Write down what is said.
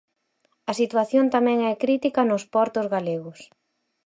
A situación tamén é crítica nos portos galegos.